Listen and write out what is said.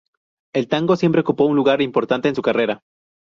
El tango siempre ocupó un lugar importante en su carrera.